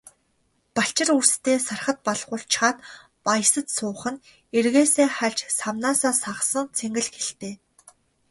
Балчир үрстээ сархад балгуулчхаад баясаж суух нь эргээсээ хальж, савнаасаа сагасан цэнгэл гэлтэй.